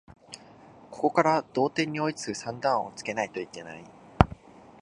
ここから同点に追いつく算段をつけないといけない